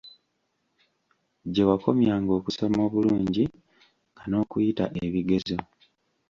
Gye wakomyanga okusoma obulungi nga n'okuyita ebigezo.